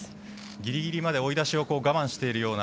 ぎりぎりまで追い出しを我慢しているような